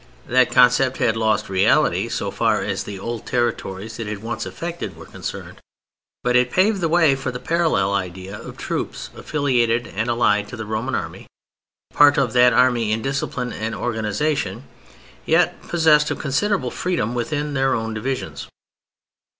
That conception had lost reality so far as the old territories it had once affected were concerned; but it paved the way for the parallel idea of troops affiliated and allied to the Roman Army, part of that army in discipline and organization, yet possessed of considerable freedom within their own divisions.